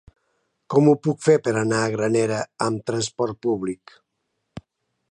Com ho puc fer per anar a Granera amb trasport públic?